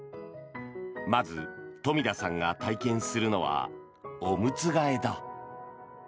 まず、富田さんが体験するのはおむつ替えだ。